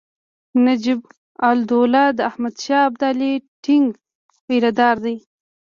نجیب الدوله د احمدشاه ابدالي ټینګ طرفدار دی.